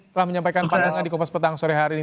telah menyampaikan pandangan di kupas petang sore hari ini